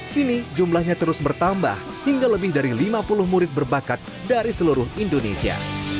kini jumlahnya terus bertambah hingga lebih dari lima puluh murid berbakat dari seluruh indonesia